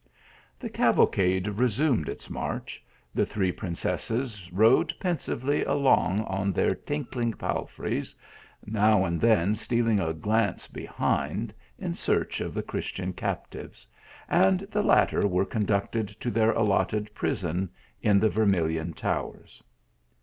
The cavalcade resumed its march ; the three prin cesses rode pensively along on their tinkling pal freys, now and then stealing a glance behind in search of the Christian captives, and the latter were conducted to their allotted prison in the Vermilion towers.